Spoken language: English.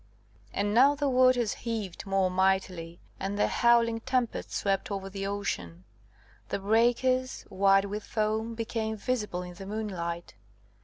And now the waters heaved more mightily, and the howling tempest swept over the ocean; the breakers, white with foam, became visible in the moonlight.